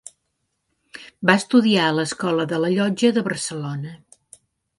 Va estudiar a l'Escola de la Llotja de Barcelona.